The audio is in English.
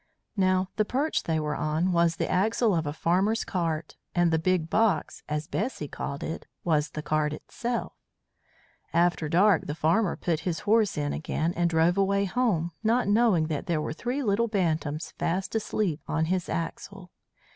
Now the perch they were on was the axle of a farmer's cart, and the "big box," as Bessy called it, was the cart itself. After dark the farmer put his horse in again and drove away home, not knowing that there were three little bantams fast asleep on his axle.